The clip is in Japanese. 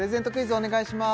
お願いします